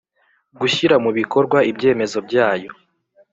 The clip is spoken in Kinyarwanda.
gushyira mu bikorwa ibyemezo byayo